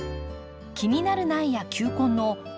気になる苗や球根の植えつけ